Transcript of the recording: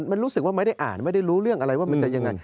มันรู้สึกว่าไม่ได้อ่านไม่ได้รู้เรื่องอะไรว่ามันจะยังไง